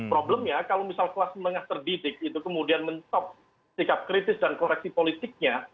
problemnya kalau misal kelas menengah terdidik itu kemudian mentok sikap kritis dan koreksi politiknya